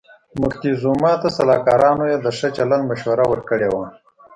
موکتیزوما ته سلاکارانو یې د ښه چلند مشوره ورکړې وه.